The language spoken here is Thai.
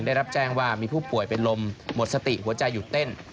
ได้รับแจ้งว่ามีผู้ป่วยเป็นลมหมดสติหัวใจหยุดเต้น